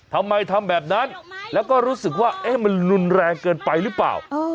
ทำไมทำแบบนั้นแล้วก็รู้สึกว่ามันรุนแรงเกินไปหรือเปล่า